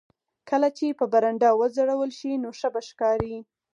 کله چې په برنډه وځړول شي نو ښه به ښکاري